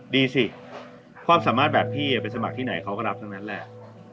ดีสิความสามารถแบบพี่ไปสมัครที่ไหนเขาก็รับทั้งนั้นแหละ